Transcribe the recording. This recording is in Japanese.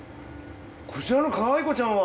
こちらのかわい子ちゃんは？